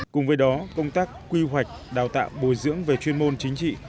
cùng với đó công tác quy hoạch đào tạo bồi dưỡng về chuyên môn chính trị